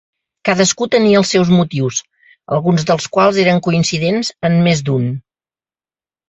Cadascú tenia els seus motius, alguns dels quals eren coincidents en més d’un.